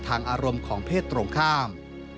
อารมณ์ของเพศตรงข้าม